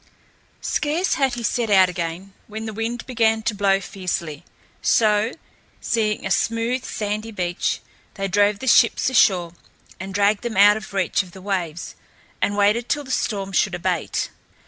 Scarce had he set out again when the wind began to blow fiercely; so, seeing a smooth, sandy beach, they drove the ships ashore and dragged them out of reach of the waves, and waited till the storm should abate.